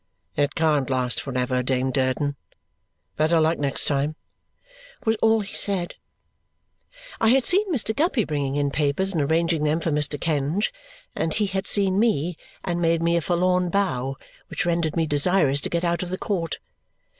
"It can't last for ever, Dame Durden. Better luck next time!" was all he said. I had seen Mr. Guppy bringing in papers and arranging them for Mr. Kenge; and he had seen me and made me a forlorn bow, which rendered me desirous to get out of the court.